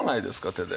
手で。